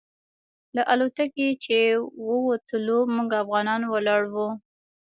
له الوتکې چې ووتلو موږ افغانان ولاړ وو.